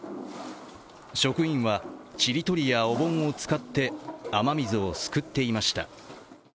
職員は、ちりとりやおぼんを使って雨水をすくっていました。